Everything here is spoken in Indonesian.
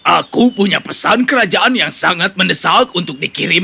aku punya pesan kerajaan yang sangat mendesak untuk dikirim